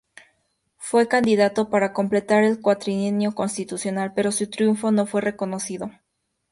Fue candidato para completar el cuatrienio constitucional, pero su triunfo no fue reconocido.